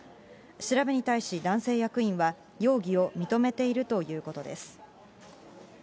調べに対し男性役員は、容疑を認めているということです。